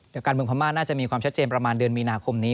เดี๋ยวการเมืองพม่าน่าจะมีความชัดเจนประมาณเดือนมีนาคมนี้